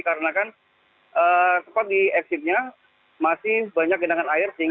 karena di eksitnya masih banyak kendaraan air